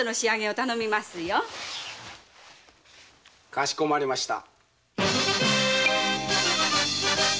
かしこまりました。